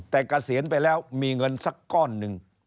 แต่เกษียณไปแล้วมีเงินสักก้อนหนึ่ง